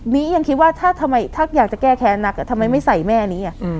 ียังคิดว่าถ้าอยากจะแก้แค้นนักทำไมไม่ใส่แม่นี้